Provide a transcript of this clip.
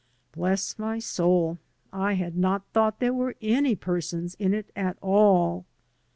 Bless my soul! I had not thought there were any persons in it at all.